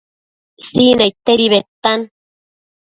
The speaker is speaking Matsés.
Sinaidtedi bedtan